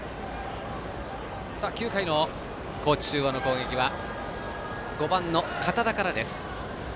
９回の高知中央の攻撃は５番の堅田からです。